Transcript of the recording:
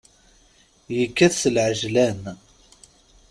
Yekkat s leɛjlan.